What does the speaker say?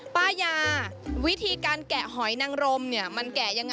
ป้ายาวิธีการแกะหอยนังรมเนี่ยมันแกะยังไง